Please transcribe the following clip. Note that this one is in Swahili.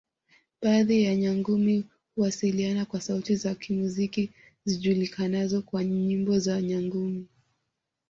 Baadhi ya Nyangumi huwasiliana kwa sauti za kimuziki zikijulikana kama nyimbo za Nyangumi